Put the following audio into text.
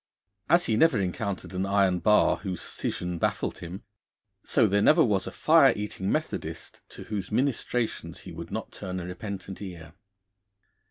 As he never encountered an iron bar whose scission baffled him, so there never was a fire eating Methodist to whose ministrations he would not turn a repentant ear.